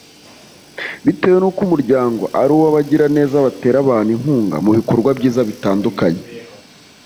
bitewe n’uko umuryango ari uw’abagiraneza batera abantu inkunga mu bikorwa byiza bitandukanye